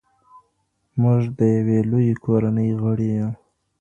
موږ د يوې لويې کورنۍ غړي يو.